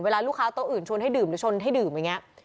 เวลาลูกค้าตัวอื่นชวนให้ดื่มหรือชนให้ดื่มอย่างนี้